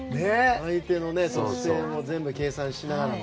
相手の得点を全部計算しながら。